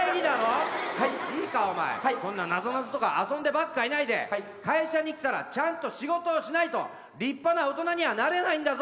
いいかお前そんななぞなぞとか遊んでばっかいないで会社に来たらちゃんと仕事をしないと立派な大人にはなれないんだぞ！